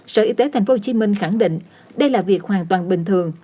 sở y tế tp hcm khẳng định đây là việc hoàn toàn bình thường